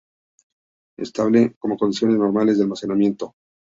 Estable en condiciones normales de almacenamiento.